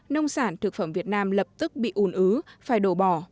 nông sản thực phẩm việt nam lập tức bị ùn ứ phải đổ bỏ